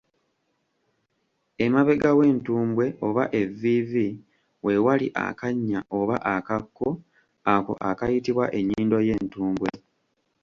Emabega w’entumbwe oba evviivi we wali akannya oba akakko ako akayitibwa ennyindo y’entumbwe.